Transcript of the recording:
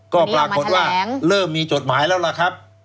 ก็ปรากฏว่าเริ่มมีจดหมายแล้วล่ะครับ